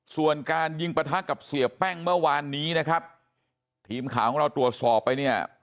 ส่วนการยิงปะทะกับเสียแป้งเมื่อวานนี้นะครับทีมข่าวของเราตรวจสอบไปเนี่ย